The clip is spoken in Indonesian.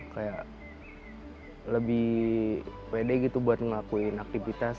kayak lebih pede gitu buat ngelakuin aktivitas